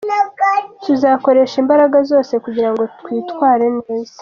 Tuzakoresha imbaraga zose kugira ngo twitware neza.